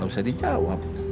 gak bisa dijawab